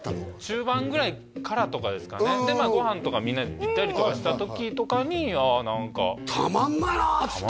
中盤ぐらいからとかですかねでご飯とかみんなで行ったりとかした時とかにああ何かたまんないなっつって？